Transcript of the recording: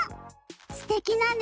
すてきなね